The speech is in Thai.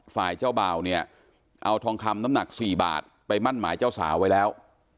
ฝ่ายเจ้าบ่าวเนี่ยเอาทองคำน้ำหนัก๔บาทไปมั่นหมายเจ้าสาวไว้แล้ว